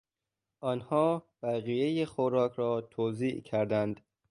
آنها بقیهی خوراک را توزیع کردند.